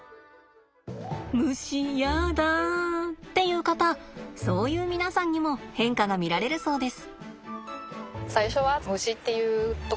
「虫やだ」っていう方そういう皆さんにも変化が見られるそうです。